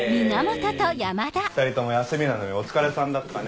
２人とも休みなのにお疲れさんだったね。